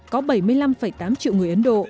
có bảy mươi năm tám triệu người ấn độ